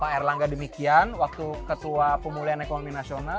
pak erlangga demikian waktu ketua pemulihan ekonomi nasional